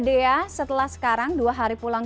dea setelah sekarang dua hari pulang